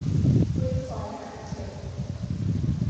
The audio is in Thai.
ฟื้นฝอยหาตะเข็บ